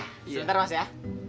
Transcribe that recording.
sebentar mas ya